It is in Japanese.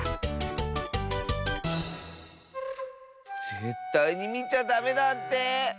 ぜったいにみちゃダメだって。